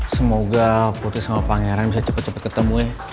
semoga putri sama pangeran bisa cepet cepet ketemu ya